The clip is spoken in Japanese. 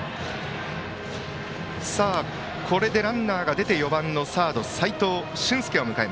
これでランナーが出て４番のサード、齋藤舜介です。